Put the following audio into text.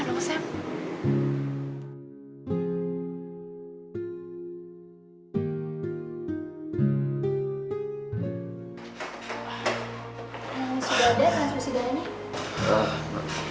sudah ada transfusi darahnya